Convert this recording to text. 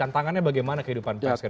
tantangannya bagaimana kehidupan pers